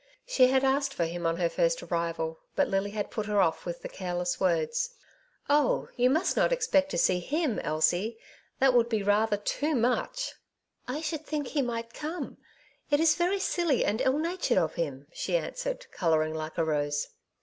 She had asked for him on her first arrival, but Lily had put her off with the careless words, — I 2i6 " Two Sides to every Question " Oh, you must not expect to see him, Elsie; that would be rather too much/' '' I should think he might come ; it is very silly and ill natured of him,'' she answered, colouring like a rose.